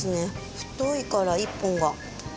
太いから１本が。